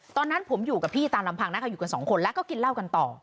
ตอนนั้นผมอยู่กับพี่ตามลำพังนะคะอยู่กันสองคนแล้วก็กินเหล้ากันต่อ